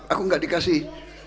aku gak dikasih